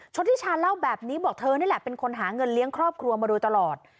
ชนิชาเล่าแบบนี้บอกเธอนี่แหละเป็นคนหาเงินเลี้ยงครอบครัวมาโดยตลอด